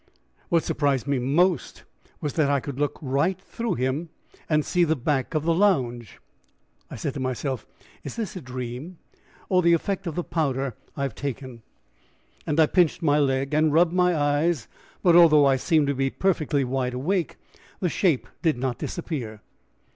What surprised me most was that I could look right through him and see that back of the lounge. I said to myself, "Is this a dream or the effect of the powder I have taken?" and I pinched my leg, and rubbed my eyes, but although I seemed to be perfectly wide awake, the shape did not disappear.